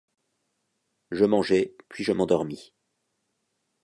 Je mangeai, puis je m’endormis.